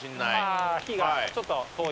ああ火がちょっと遠い。